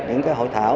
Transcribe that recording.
những cái hội thảo